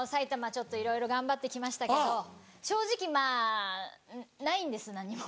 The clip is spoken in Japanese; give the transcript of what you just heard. ちょっといろいろ頑張ってきましたけど正直まぁないんです何も。